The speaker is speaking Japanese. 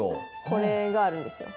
これがあるんですよ。